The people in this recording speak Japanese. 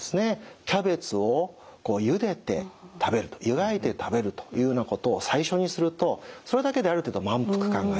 キャベツをゆでて食べるとゆがいて食べるというようなことを最初にするとそれだけである程度満腹感が得られる。